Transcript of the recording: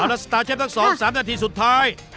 เอาล่ะสตาร์เชฟทั้งสองสามนาทีสุดท้าย